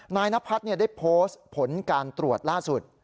นายนพัฒน์ได้โพสต์ผลการตรวจล่าสุด